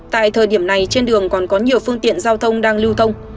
tại thời điểm này trên đường còn có nhiều phương tiện giao thông đang lưu thông